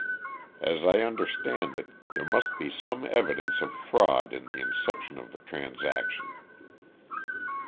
As I understand it, there must be some evidence of fraud in the inception of the transaction."